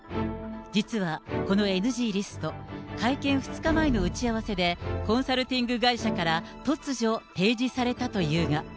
実はこのＮＧリスト、会見２日前の打ち合わせで、コンサルティング会社から、突如、提示されたというが。